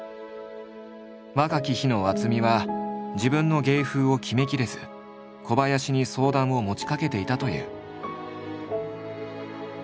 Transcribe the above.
若き日の渥美は自分の芸風を決めきれず小林に相談を持ちかけていたという。